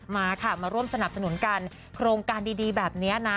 มาค่ะมาร่วมสนับสนุนกันโครงการดีแบบนี้นะ